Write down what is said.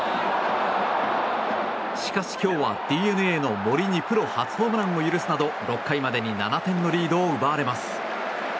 しかし今日はＤｅＮＡの森にプロ初ホームランを許すなど６回までに７点のリードを奪われます。